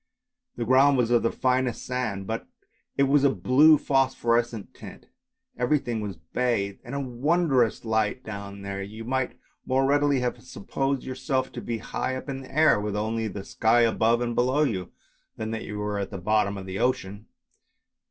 The ground was of the finest sand, but it was of a blue phosphorescent tint. Everything was bathed in a wondrous blue light down there; you might more readily have supposed yourself to be high up in the air, with only the sky above and below you, than that you were at the bottom of the ocean.